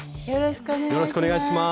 よろしくお願いします。